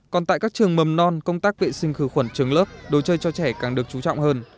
còn tại các trường mầm non công tác vệ sinh khử khuẩn trường lớp đồ chơi cho trẻ càng được chú trọng hơn